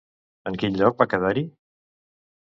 En quin lloc va quedar-hi?